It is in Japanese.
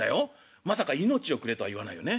まさか命をくれとは言わないよね？